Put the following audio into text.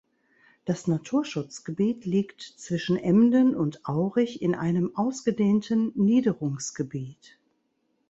Das Naturschutzgebiet liegt zwischen Emden und Aurich in einem ausgedehnten Niederungsgebiet.